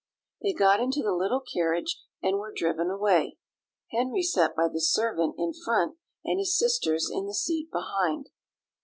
They got into the little carriage, and were driven away. Henry sat by the servant in front, and his sisters in the seat behind.